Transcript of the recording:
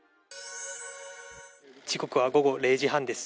時刻は午後０時半です。